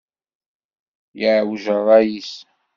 Yeɛwej rray-is.